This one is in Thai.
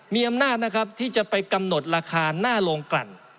มีอำนาจนะครับที่จะไปกำหนดราคาหน้าโรงกลั่น